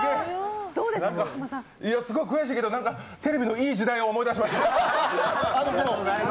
すごく悔しいですけど、なんかテレビのいい時代を思い出しました。